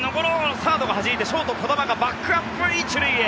サードがはじいてショート、児玉がバックアップ１塁へ。